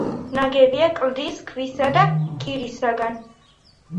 ნაგებია კლდის ქვისა და კირისაგან.